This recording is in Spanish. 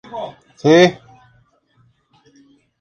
Sus obras presentan una gama limitada de colores, casi monocromática.